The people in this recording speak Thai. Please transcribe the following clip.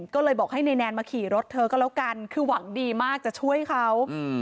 ก็เลยบอกให้นายแนนมาขี่รถเธอก็แล้วกันคือหวังดีมากจะช่วยเขา